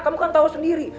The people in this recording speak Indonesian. kamu kan tau sendiri